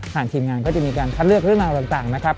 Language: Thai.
ทีมงานก็จะมีการคัดเลือกเรื่องราวต่างนะครับ